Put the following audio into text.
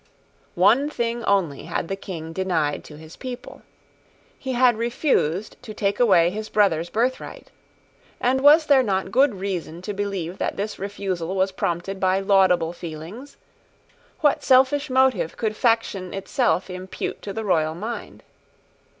One thing only had the King denied to his people. He had refused to take away his brother's birthright. And was there not good reason to believe that this refusal was prompted by laudable feelings? What selfish motive could faction itself impute to the royal mind?